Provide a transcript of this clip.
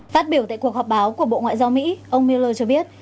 phát biểu tại cuộc họp báo của bộ ngoại giao mỹ ông mueller cho biết